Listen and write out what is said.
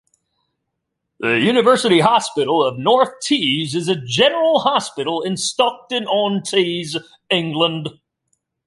The University Hospital of North Tees is a general hospital in Stockton-on-Tees, England.